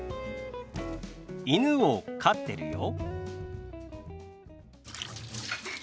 「犬を飼ってるよ」。